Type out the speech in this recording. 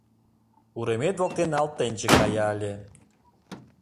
Уремет воктен алтенче кая ыле